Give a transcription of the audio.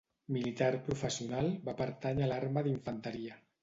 Militar professional, va pertànyer a l'arma d'infanteria.